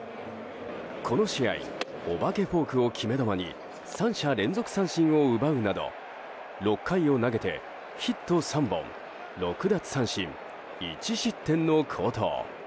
この試合、お化けフォークを決め球に３者連続三振を奪うなど６回を投げて、ヒット３本６奪三振１失点の好投。